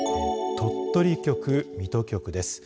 鳥取局、水戸局です。